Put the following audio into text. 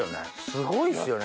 すごいですよね